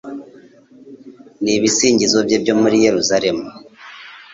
n’ibisingizo bye muri Yeruzalemu